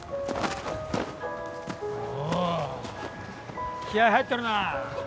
おお気合い入ってるな。